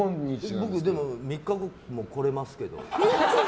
僕、３日後も来れますけど。